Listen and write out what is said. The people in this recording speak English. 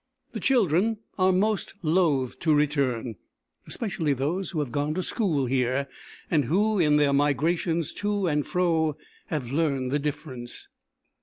The children are most loath to return; especially those who have gone to school here and who in their migrations to and fro, have learned the difference.